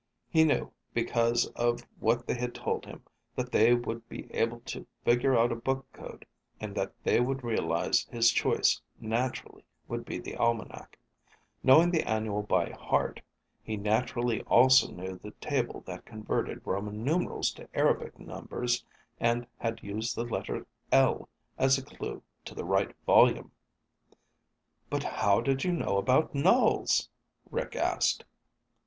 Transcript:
He knew, because of what they had told him, that they would be able to figure out a book code and that they would realize his choice naturally would be the Almanac. Knowing the annual by heart, he naturally also knew the table that converted Roman numerals to Arabic numbers and had used the letter L as a clue to the right volume. "But how did you know about nulls?" Rick asked.